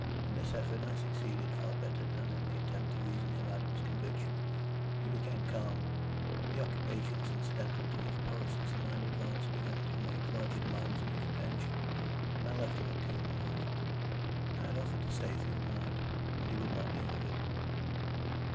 In this effort I succeeded far better than in the attempt to reason him out of his conviction. He became calm; the occupations incidental to his post as the night advanced began to make larger demands on his attention: and I left him at two in the morning. I had offered to stay through the night, but he would not hear of it.